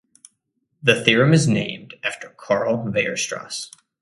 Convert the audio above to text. The theorem is named after Karl Weierstrass.